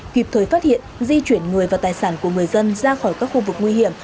kịp thời phát hiện di chuyển người và tài sản của người dân ra khỏi các khu vực nguy hiểm